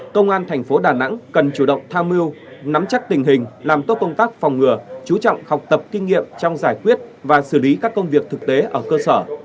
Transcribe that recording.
công an thành phố đà nẵng cần chủ động tham mưu nắm chắc tình hình làm tốt công tác phòng ngừa chú trọng học tập kinh nghiệm trong giải quyết và xử lý các công việc thực tế ở cơ sở